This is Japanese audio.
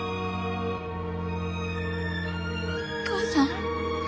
お母さん？